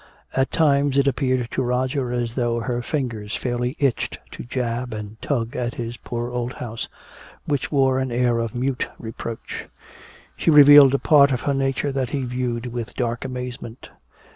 At times it appeared to Roger as though her fingers fairly itched to jab and tug at his poor old house, which wore an air of mute reproach. She revealed a part of her nature that he viewed with dark amazement.